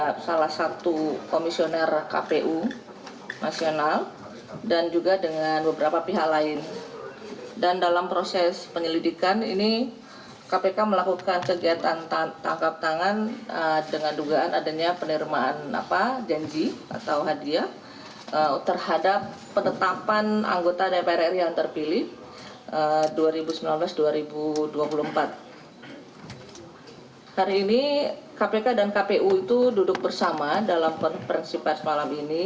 pemimpinan ibu lili yang akan menyampaikan beberapa hal